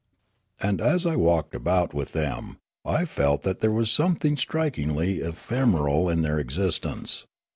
And, as I walked about with them, I felt that there was something strikingly ephemeral in their existence.